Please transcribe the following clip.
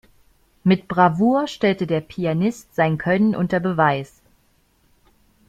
Mit Bravour stellte der Pianist sein Können unter Beweis.